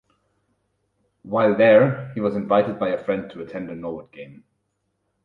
While there he was invited by a friend to attend a Norwood game.